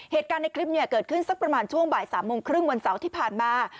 เหตุการณ์ในคลิปเนี่ยเกิดขึ้นสักประมาณช่วงบ่าย๓โมงครึ่งวันเสาร์ที่ผ่านมา